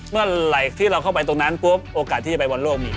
เมื่อไหร่ที่เราเข้าไปตรงนั้นปุ๊บโอกาสที่จะไปบอลโลกนี่